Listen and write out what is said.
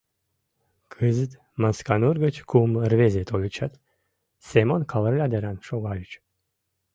Кызыт Масканур гыч кум рвезе тольычат Семон Кавырля деран шогальыч.